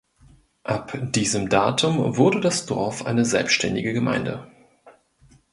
Ab diesem Datum wurde das Dorf eine selbständige Gemeinde.